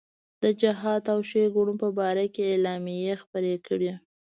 د جهاد او ښېګڼو په باره کې اعلامیې خپرې کړې.